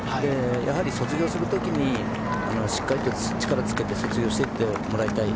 やはり卒業する時にしっかりと力をつけて卒業していってもらいたい。